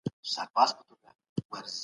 شپږ جمع شپږ؛ دوولس کېږي.